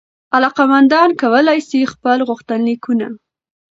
علاقمندان کولای سي خپل غوښتنلیکونه